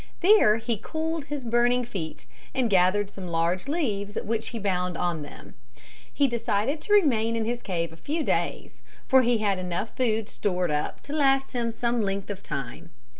There he cooled his burning feet, and gathered some large leaves, which he bound on them. He decided to remain in his cave a few days, for he had enough food stored up to last him some length of time.